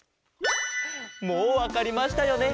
もうわかりましたよね？